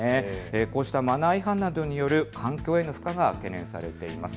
こうしたマナー違反などによる環境への負荷が懸念されています。